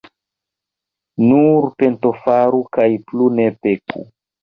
Nur pentofaru kaj plu ne peku.